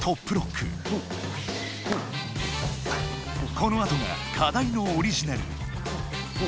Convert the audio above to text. このあとが課題のオリジナル。